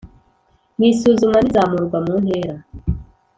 mu isuzuma n’izamurwa mu ntera